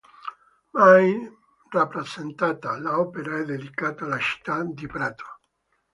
Mai rappresentata, l'opera è dedicata alla città di Prato.